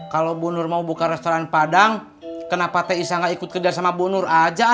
kalau bu nur mau membuka restoran padang kenapa t isa tidak ikut bekerja dengan bu nur saja